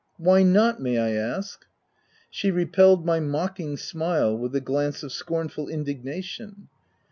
t€ Why not, may I ask ?" She repelled my mocking smile with a glance of scornful indignation.